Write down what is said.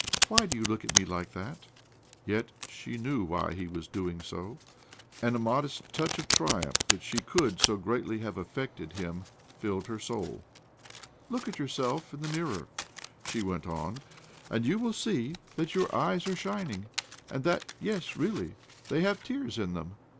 " Why do you lopk at me hke that ?" lYet she ktiew why he was doing so, and a modest touch of triumph thiat she cquld so greatly have affecteid him filleid her soul. ' Look at yourself in the mirror," she went on, ' and you will see that your eyes are shining, and that — yes, really! — they have tears in them.